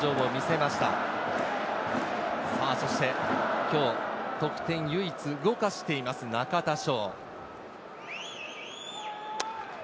そして今日、得点を唯一動かしています、中田翔。